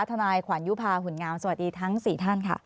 ทนายขวัญยุภาหุ่นงามสวัสดีทั้ง๔ท่านค่ะ